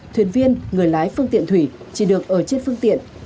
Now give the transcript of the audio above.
thuyền viên người lái phương tiện thủy chỉ được ở trên phương tiện